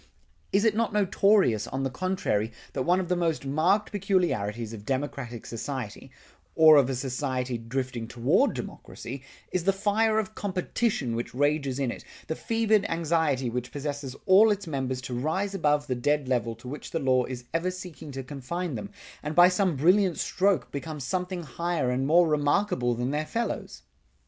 Is it not notorious, on the contrary, that one of the most marked peculiarities of democratic society, or of a society drifting toward democracy, is the fire of competition which rages in it, the fevered anxiety which possesses all its members to rise above the dead level to which the law is ever seeking to confine them, and by some brilliant stroke become something higher and more remarkable than their fellows?